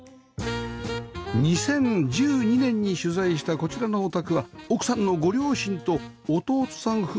２０１２年に取材したこちらのお宅は奥さんのご両親と弟さん